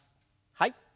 はい。